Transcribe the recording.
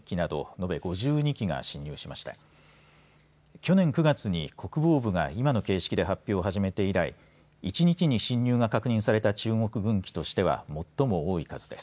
去年９月に国防部が今の形式で発表を初めて以来１日に進入が確認された中国軍機としては最も多い数です。